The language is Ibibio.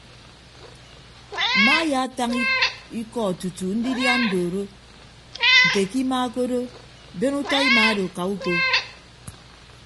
Mma ayaatañ iko tutu ndidia andooro nte ke ima ke odo ben utọ ima odo ka uko.